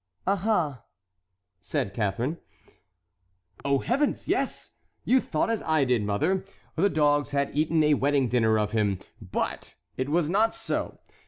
"Aha!" said Catharine. "Oh, heavens! yes. You thought as I did, mother, the dogs had eaten a wedding dinner off him, but it was not so.